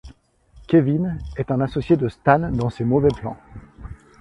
Kevin, est un associé de Stan dans ses mauvais plans.